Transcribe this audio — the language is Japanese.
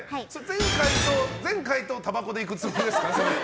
全回答たばこでいく感じですか。